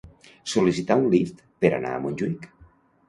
Sol·licitar un Lyft per anar a Montjuïc.